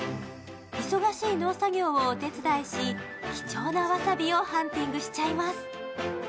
忙しい農作業をお手伝いし、貴重なわさびをハンティングしちゃいます。